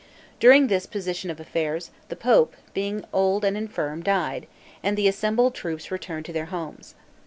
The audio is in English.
During this position of affairs, the pope, being old and infirm, died, and the assembled troops returned to their homes.